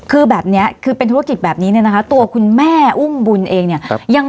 คือแบบนี้คือเป็นธุรกิจแบบนี้เนี่ยนะคะตัวคุณแม่อุ้มบุญเองเนี่ย